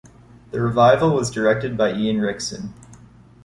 The revival was directed by Ian Rickson.